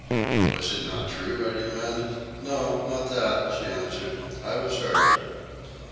"Was it not true?" I demanded. "No, not that," she answered. "I was hurt."